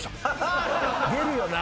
出るよな？